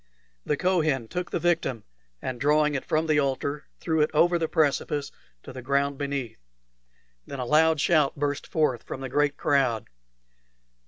The Kohen took the victim, and drawing it from the altar, threw it over the precipice to the ground beneath. Then a loud shout burst forth from the great crowd.